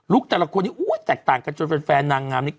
ลุคแต่ละคนนี้อู้ยแตกต่างกันจนเป็นแฟนนางงามนี่